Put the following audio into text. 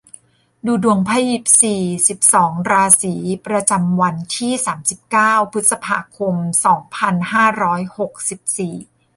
ดูดวงไพ่ยิปซี สิบสอง ราศี ประจำวันที่ สามสิบเก้า พฤษภาคม สองพันห้าร้อยหกสิบสี่